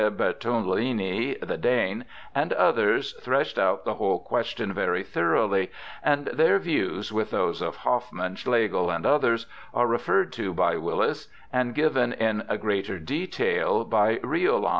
Bartholini (the Dane), and others, threshed out the whole question very thoroughly, and their views, with those of Hoffman, Slegel, and others, are referred to by Willis and given in greater detail by Riolan.